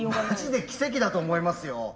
マジで奇跡だと思いますよ。